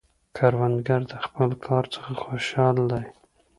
کروندګر د خپل کار څخه خوشحال دی